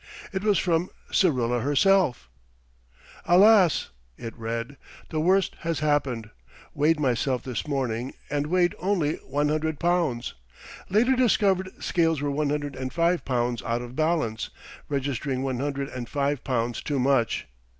It was from Syrilla herself Alas! [it read], the worst has happened. Weighed myself this morning and weighed only one hundred pounds. Later discovered scales were one hundred and five pounds out of balance, registering one hundred and five pounds too much.